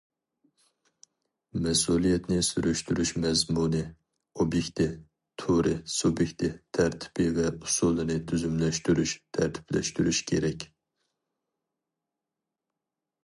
مەسئۇلىيەتنى سۈرۈشتۈرۈش مەزمۇنى، ئوبيېكتى، تۈرى، سۇبيېكتى، تەرتىپى ۋە ئۇسۇلىنى تۈزۈملەشتۈرۈش، تەرتىپلەشتۈرۈش كېرەك.